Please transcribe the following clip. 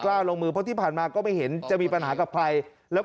ลงมือเพราะที่ผ่านมาก็ไม่เห็นจะมีปัญหากับใครแล้ว